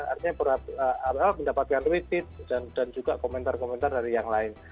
artinya mendapatkan rited dan juga komentar komentar dari yang lain